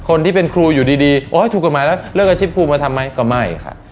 คนที่เป็นครูอยู่ดีโอ๊ยถูกกฎหมายแล้วเรื่องอาชีพครูมาทำไหมก็ไม่ค่ะ